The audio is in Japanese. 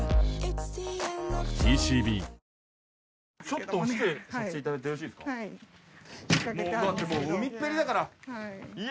ちょっと失礼させていただいてよろしいですか？